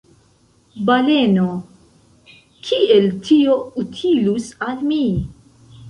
Baleno: "Kiel tio utilus al mi?"